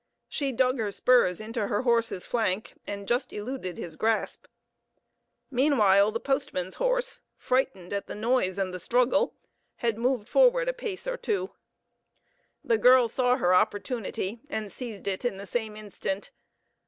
She dug her spurs into her horse's flank and just eluded his grasp. Meanwhile the postman's horse, frightened at the noise and the struggle, had moved forward a pace or two. The girl saw her opportunity, and seized it in the same instant.